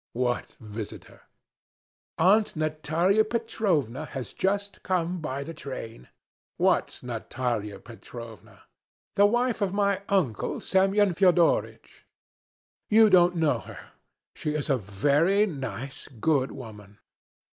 "What visitor?" "Aunt Natalya Petrovna has just come by the train." "What Natalya Petrovna?" "The wife of my uncle Semyon Fyodoritch. You don't know her. She is a very nice, good woman."